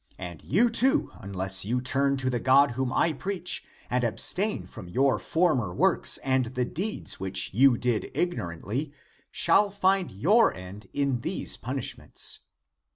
And you too, unless you turn to the God whom I preach, and abstain from your former works and the deeds which you did ignorantly, shall find your end in these punishments.